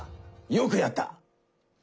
よくやった！